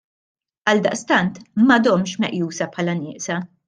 Għaldaqstant m'għadhomx meqjusa bħala nieqsa.